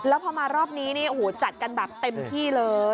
แล้วพอมารอบนี้จัดกันแบบเต็มที่เลย